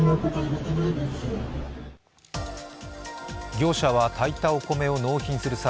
業者は炊いたお米を納品する際